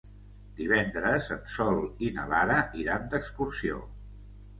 Divendres en Sol i na Lara iran d'excursió.